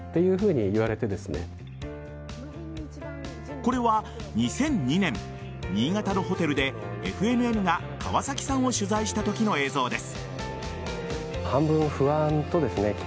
これは２００２年新潟のホテルでＦＮＮが川崎さんを取材したときの映像です。